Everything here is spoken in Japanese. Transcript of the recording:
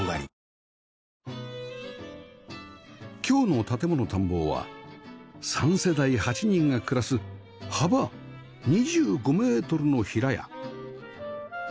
今日の『建もの探訪』は３世代８人が暮らす幅２５メートルの平屋